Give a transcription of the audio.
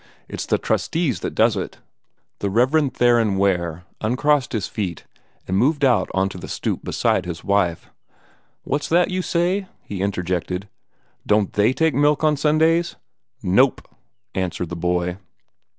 It's the trustees that does it." The Rev. Theron Ware uncrossed his feet and moved out on to the stoop beside his wife. "What's that you say?" he interjected. "Don't THEY take milk on Sundays?" "Nope!" answered the boy.